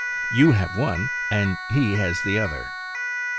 You have one, and he has the other.